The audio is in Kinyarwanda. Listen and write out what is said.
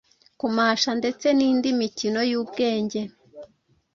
kumasha ndetse n’indi mikino y’ubwenge